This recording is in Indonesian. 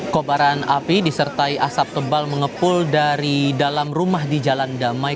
kobaran api disertai asap tebal mengepul dari dalam rumah di jalan damai